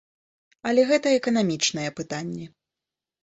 Але гэта эканамічныя пытанні.